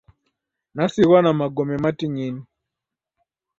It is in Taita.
Nasighwa na magome mating'ini.